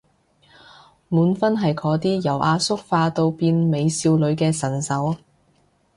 滿分係嗰啲由阿叔化到變美少女嘅神手